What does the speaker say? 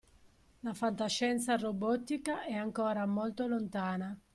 La fantascienza robotica è ancora molto lontana